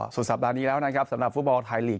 สุดสัปดาห์นี้แล้วนะครับสำหรับฟุตบอลไทยลีก